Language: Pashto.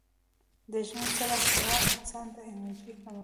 د ژمي سړه هوا انسان ته انرژي کموي.